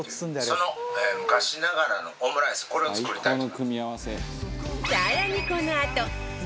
その昔ながらのオムライスこれを作りたいと。